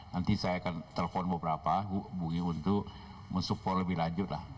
nanti saya akan telepon beberapa bungi untuk mensupport lebih lanjut lah